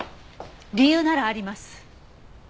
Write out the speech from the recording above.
理由ならあります。